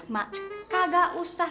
mak kagak usah